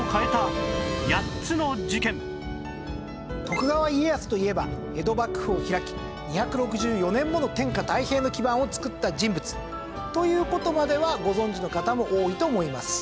徳川家康といえば江戸幕府を開き２６４年もの天下太平の基盤を作った人物という事まではご存じの方も多いと思います。